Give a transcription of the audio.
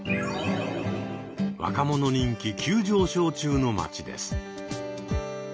若者人気急上昇中の街です。